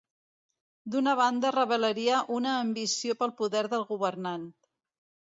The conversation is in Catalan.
D'una banda revelaria una ambició pel poder del governant.